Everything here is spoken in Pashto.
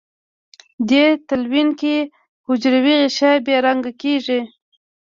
دې تلوین کې حجروي غشا بې رنګه کیږي.